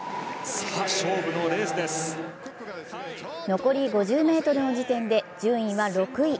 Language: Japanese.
残り５０ｍの時点で順位は６位。